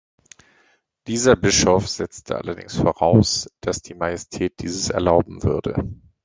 Dieser Bischof setzte allerdings voraus, „dass die Majestät dieses erlauben würde“.